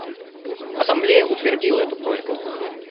Ассамблея утвердила эту просьбу.